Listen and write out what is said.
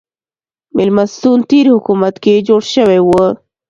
مېلمستون تېر حکومت کې جوړ شوی و.